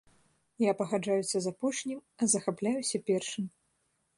Я пагаджаюся з апошнім, а захапляюся першым.